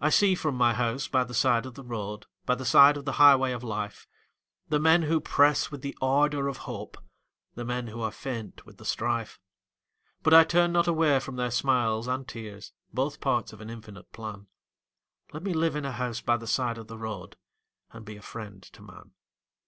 I see from my house by the side of the road By the side of the highway of life, The men who press with the ardor of hope, The men who are faint with the strife, But I turn not away from their smiles and tears, Both parts of an infinite plan Let me live in a house by the side of the road And be a friend to man.